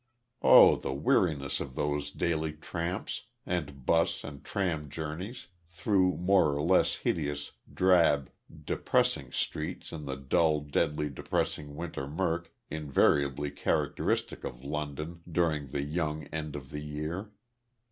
Oh, the weariness of those daily tramps, and bus and tram journeys, through more or less hideous, drab, depressing streets in the dull, deadly depressing winter murk invariably characteristic of London during the young end of the year!